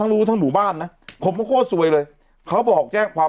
ทั้งรูทางหมู่บ้านน่ะผมเขาโคตรสวยเลยเขาบอกแจ้งความ